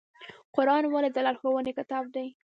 قرآن ولې د لارښوونې کتاب دی؟